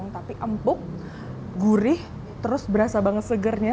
tapi empuk gurih terus berasa banget segernya